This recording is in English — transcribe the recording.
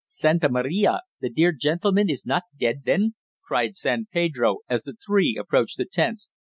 "Santa Maria! The dear gentleman is not dead then?" cried San Pedro, as the three approached the tents.